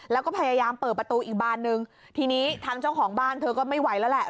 แล้วก็พยายามเปิดประตูอีกบานนึงทีนี้ทางเจ้าของบ้านเธอก็ไม่ไหวแล้วแหละ